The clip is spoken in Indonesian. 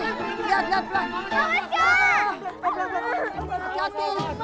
lihat lihat pelan